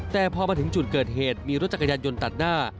แต่พอมาถึงจุดเกิดเหตุมีรถจักรยานยนต์ตัดหน้า